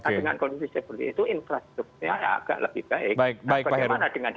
dengan kondisi seperti itu infrastrukturnya